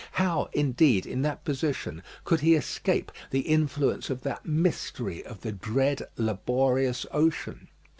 How, indeed, in that position, could he escape the influence of that mystery of the dread, laborious ocean?